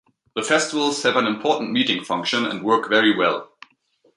The festivals have an important meeting function, and work very well.